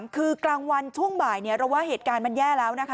คือกลางวันช่วงบ่ายเราว่าเหตุการณ์มันแย่แล้วนะคะ